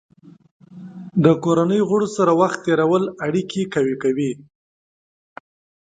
د کورنۍ غړو سره وخت تېرول اړیکې قوي کوي.